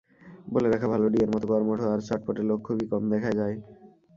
বলে রাখা ভালো, ডি-এর মতো কর্মঠ আর চটপটে লোক খুব কমই দেখা যায়।